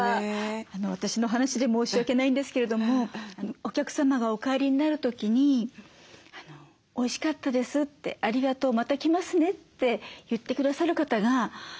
私の話で申し訳ないんですけれどもお客様がお帰りになる時に「おいしかったです」って「ありがとう。また来ますね」って言って下さる方が。